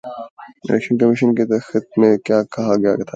election commission کے خط میں کہا گیا ہے